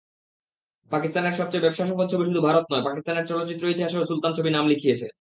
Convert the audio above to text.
পাকিস্তানের সবচেয়ে ব্যবসাসফল ছবিশুধু ভারত নয়, পাকিস্তানের চলচ্চিত্র ইতিহাসেও সুলতান ছবি নাম লিখিয়েছে।